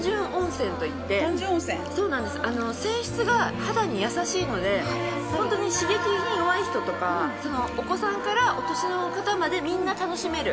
泉質が肌に優しいのでホントに刺激に弱い人とかお子さんからお年の方までみんな楽しめる。